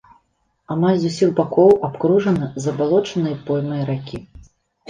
Амаль з усіх бакоў абкружана забалочанай поймай ракі.